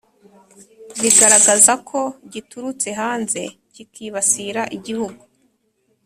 bigaragaza ko giturutse hanze kikibasira igihugu